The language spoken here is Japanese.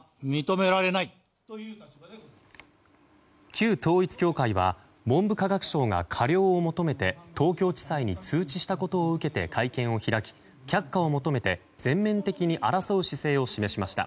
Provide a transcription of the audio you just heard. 旧統一教会は文部科学省が過料を求めて東京地裁に通知したことを受けて会見を開き却下を求めて全面的に争う姿勢を示しました。